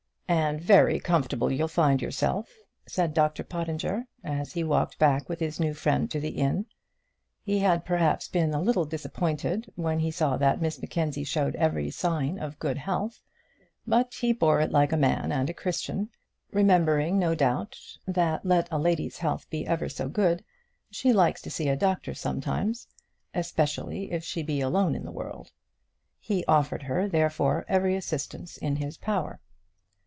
"And very comfortable you'll find yourself," said Dr Pottinger, as he walked back with his new friend to the inn. He had perhaps been a little disappointed when he saw that Miss Mackenzie showed every sign of good health; but he bore it like a man and a Christian, remembering, no doubt, that let a lady's health be ever so good, she likes to see a doctor sometimes, especially if she be alone in the world. He offered her, therefore, every assistance in his power.